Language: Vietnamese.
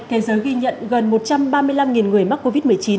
thế giới ghi nhận gần một trăm ba mươi năm người mắc covid một mươi chín